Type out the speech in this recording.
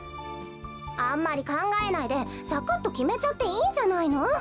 あんまりかんがえないでサクッときめちゃっていいんじゃないの？